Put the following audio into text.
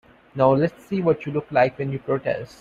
Now let's see what you look like when you protest.